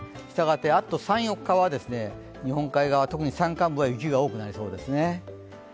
したがってあと３、４日は日本海側特に山間部は雪が多くなりそうです。